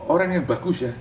orang yang bagus ya